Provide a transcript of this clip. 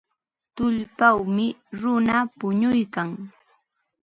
Tullpawmi runa punuykan.